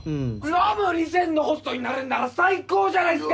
ラブ２０００のホストになれるなら最高じゃないっすか